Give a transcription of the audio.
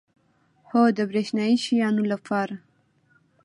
هو، د بریښنایی شیانو لپاره